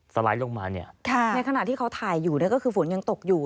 สไลด์ลงมาเนี่ยในขณะที่เขาถ่ายอยู่ก็คือฝนยังตกอยู่